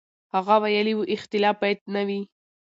هغه ویلي و، اختلاف باید نه وي.